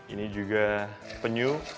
ini juga penyu